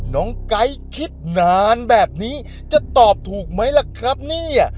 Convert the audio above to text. ไก๊คิดนานแบบนี้จะตอบถูกไหมล่ะครับเนี่ย